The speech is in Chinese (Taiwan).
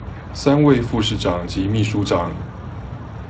三位副市長及秘書長